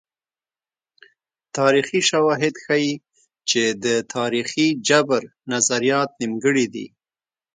تاریخي شواهد ښيي چې د تاریخي جبر نظریات نیمګړي دي.